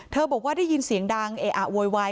บอกว่าได้ยินเสียงดังเออะโวยวาย